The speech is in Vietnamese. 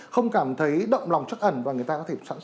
không cảm thấy động lòng chắc ẩn và người ta có thể sẵn sàng bỏ đi